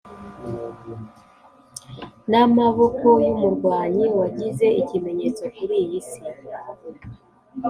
namaboko yumurwanyi wagize ikimenyetso kuri iyi si.